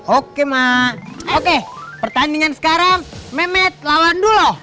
oke oke pertandingan sekarang mehmet lawan dulu